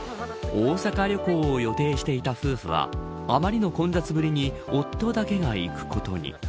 大阪旅行を予定していた夫婦はあまりの混雑ぶりに夫だけが行くことに。